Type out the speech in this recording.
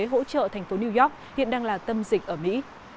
hỗ trợ thành phố new york hiện đang là tâm dịch ở mỹ